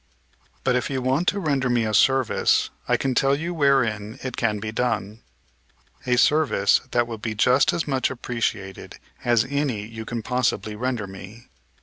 "But, if you want to render me a service, I can tell you wherein it can be done, a service that will be just as much appreciated as any you can possibly render me.